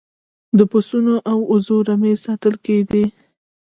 د پسونو او وزو رمې ساتل کیدې